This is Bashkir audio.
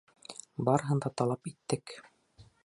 Барыһын да талап иттек.